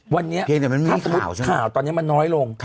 วันนี้ถ้าสมมุติข่าวตอนนี้มันน้อยลง